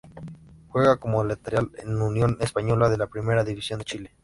Juega como lateral en Union Española de la Primera División de Chile.